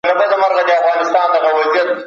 بریا تمرین غواړي.